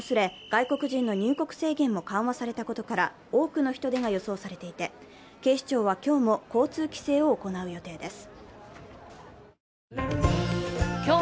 外国人の入国制限も緩和されたことから多くの人出が予想されていて警視庁は今日も交通規制を行う予定です。